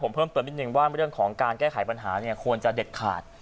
ผมเพิ่มเติมนิดนึงว่าเรื่องของการแก้ไขปัญหาเนี่ยควรจะเด็ดขาด